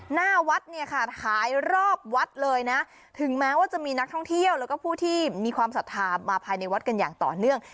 หน้าวัดเนี่ยค่ะขายรอบวัดเลยนะถึงแม้ว่าจะมีนักท่องเที่ยวแล้วก็ผู้ที่มีความศรัทธามาภายในวัดกันอย่างต่อเนื่อง